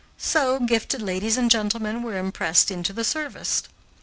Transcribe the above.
So, gifted ladies and gentlemen were impressed into the service.